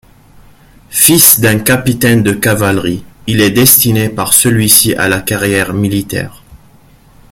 Fils d'un capitaine de cavalerie, il est destiné par celui-ci à la carrière militaire.